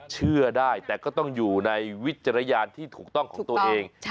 เชื่อได้แต่ก็ต้องอยู่ในวิจารณญาณที่ถูกต้องของตัวเอง